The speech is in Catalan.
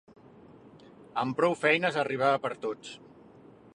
Amb prou feines arribava per a tots